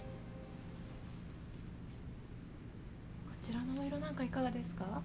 こちらのお色なんかいかがですか？